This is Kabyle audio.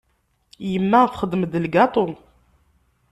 Yemma txeddem-d lgaṭu.